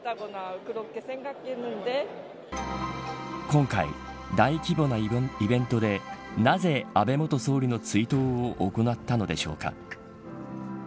今回、大規模なイベントでなぜ、安倍元総理の追悼を行ったのでしょうか。